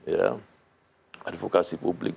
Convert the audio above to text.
ya ada vokasi publik